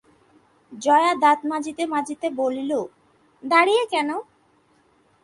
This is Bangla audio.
জয়া দাত মাজিতে মাজিতে বলিল, দাড়িয়ে কেন?